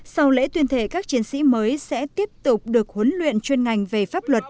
sau lễ tuyên thệ các chiến sĩ mới sẽ tiếp tục được huấn luyện chuyên ngành về pháp luật